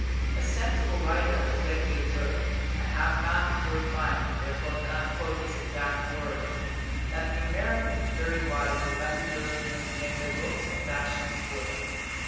A sensible writer has lately observed (I have not his work by me, therefore cannot quote his exact words), "That the Americans very wisely let the Europeans make their books and fashions for them."